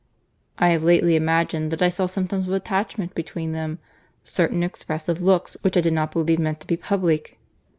"I have lately imagined that I saw symptoms of attachment between them—certain expressive looks, which I did not believe meant to be public."